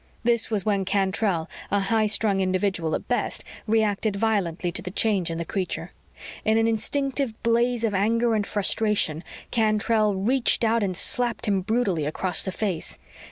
This was when Cantrell, a high strung individual at best, reacted violently to the change in the creature. In an instinctive blaze of anger and frustration, Cantrell reached out and slapped him brutally across the face.